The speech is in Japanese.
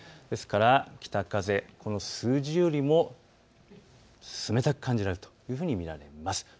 ですからこの数字よりも冷たく感じられるというふうに見られます。